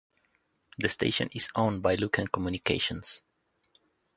The station is owned by Luken Communications.